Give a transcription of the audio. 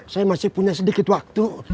saya masih punya sedikit waktu